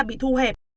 bị thu hẹp